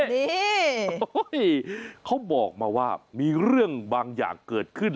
นี่เขาบอกมาว่ามีเรื่องบางอย่างเกิดขึ้น